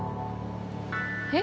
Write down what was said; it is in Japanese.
えっ？